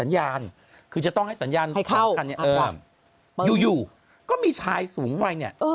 อยู่ก็มีชายสูงไฟ